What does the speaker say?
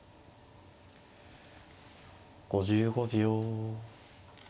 ５５秒。